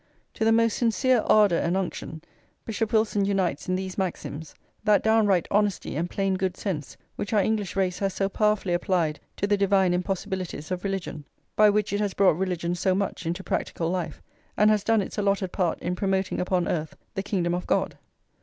To the most sincere ardour and unction, Bishop Wilson unites, in these Maxims, that downright honesty [vii] and plain good sense which our English race has so powerfully applied to the divine impossibilities of religion; by which it has brought religion so much into practical life, and has done its allotted part in promoting upon earth the kingdom of God.